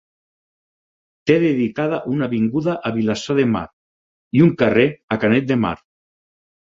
Té dedicada una avinguda a Vilassar de Mar i un carrer a Canet de Mar.